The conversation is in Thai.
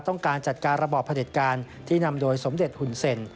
ต้องการจัดการระบอบผลิตการที่นำโดยสมเด็จหุ่นเซ็น